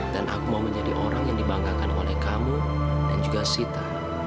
dan aku mau menjadi orang yang dibanggakan oleh kamu dan juga sita